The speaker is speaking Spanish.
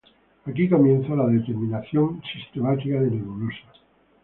Aquí comienza la determinación sistemática de nebulosas.